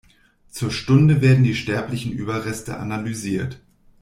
Zur Stunde werden die sterblichen Überreste analysiert.